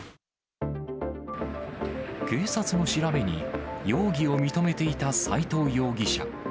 警察の調べに、容疑を認めていた斎藤容疑者。